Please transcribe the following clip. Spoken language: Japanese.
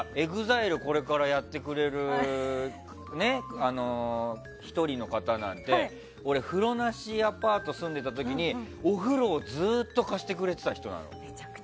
ＥＸＩＬＥをこれからやってくれる１人の方なんて俺、風呂なしアパート住んでた時にお風呂をずっと貸してくれてた人なの。